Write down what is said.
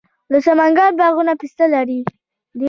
د سمنګان باغونه پسته لري.